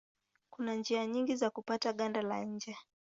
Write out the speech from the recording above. Kuna njia nyingi za kupata ganda la nje.